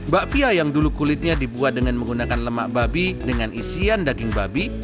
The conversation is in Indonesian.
bakpia yang dulu kulitnya dibuat dengan menggunakan lemak babi dengan isian daging babi